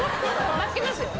負けますよ。